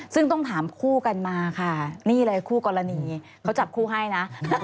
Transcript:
ซึ่งต้องถามคู่กันมาค่ะนี่เลยคู่กรณีเขาจับคู่ให้นะ